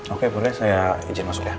oke boleh saya izin masuk ya